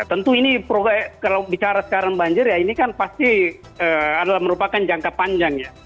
tentu ini kalau bicara sekarang banjir ya ini kan pasti adalah merupakan jangka panjang ya